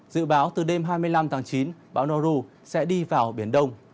dự báo từ đêm hai mươi năm tháng chín bão nauru sẽ đi vào biển đông